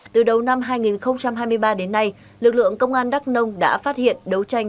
từ đầu năm hai nghìn hai mươi ba đến nay lực lượng công an đắk nông đã phát hiện đấu tranh